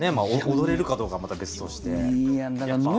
踊れるかどうかはまた別として。